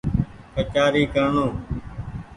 ڪچآري ڪرڻو